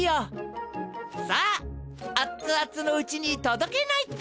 さああっつあつのうちにとどけないと。